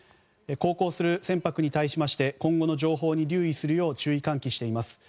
航行する船舶に対しまして今後の情報に留意するよう注意喚起しています。